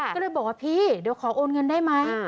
ก็เลยบอกว่าพี่เดี๋ยวขอโอนเงินได้ไหม